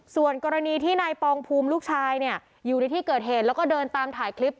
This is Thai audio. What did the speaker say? ส่วนกรณีที่นายปองภูมิลูกชายเนี่ยอยู่ในที่เกิดเหตุแล้วก็เดินตามถ่ายคลิป